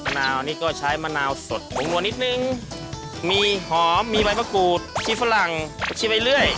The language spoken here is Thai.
มะนาวนี่ก็ใช้มะนาวสดขวงนวลนิดนึงมีหอมมีมัยปะกูดชิฟลังชิฟอะไรเรื่อย